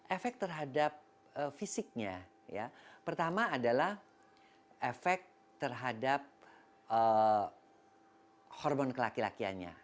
efek terhadap fisiknya pertama adalah efek terhadap hormon ke laki lakiannya